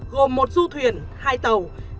gồm một du thuyền hai tàu